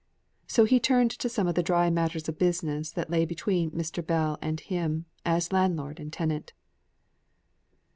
So he turned to some of the dry matters of business that lay between Mr. Bell and him, as landlord and tenant.